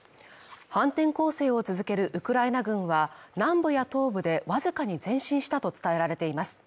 反転攻勢を続けるウクライナ軍は南部や東部でわずかに前進したと伝えられています。